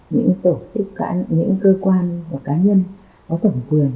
những tổ chức những cơ quan hoặc cá nhân có thẩm quyền